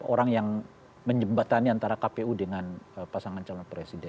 orang yang menjembatani antara kpu dengan pasangan calon presiden